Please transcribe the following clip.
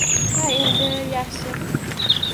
— Ana endi — yaxshi!